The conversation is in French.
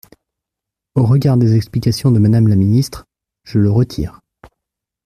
Au regard des explications de Madame la ministre, je le retire.